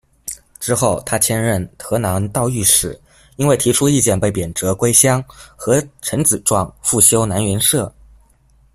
之后他迁任河南道御史，因为提出意见被贬谪归乡，和陈子壮复修南园社。